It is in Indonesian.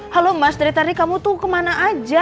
halo mas dari tadi kamu tuh kemana aja